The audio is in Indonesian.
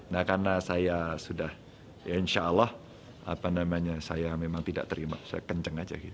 nah karena saya sudah ya insya allah apa namanya saya memang tidak terima saya kenceng aja gitu